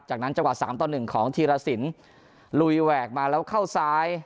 จากนั้นจังหวะ๓๑ของธีรสินลุยแหวกมาแล้วเข้าซ้าย